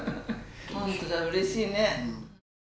本当だうれしいね。